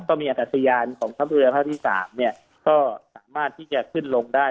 ก็มีอากาศยานของทัพเรือภาคที่๓เนี่ยก็สามารถที่จะขึ้นลงได้